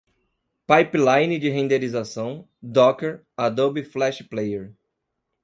pipeline de renderização, docker, adobe flash player